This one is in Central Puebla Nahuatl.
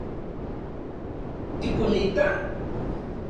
¿Tikuelita?